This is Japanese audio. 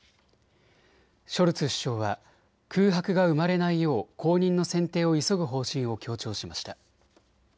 ショルツ首相は空白が生まれないよう後任の選定を急ぐ方針を強調しました。